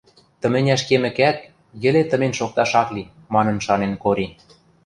тыменяш кемӹкӓт, йӹле тымень шокташ ак ли», — манын шанен Кори.